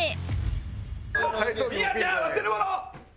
みやちゃん忘れ物！